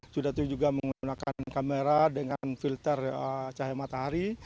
sudah itu juga menggunakan kamera dengan filter cahaya matahari